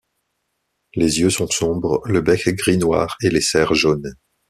Les yeux sont sombres, le bec gris-noir et les serres jaunes.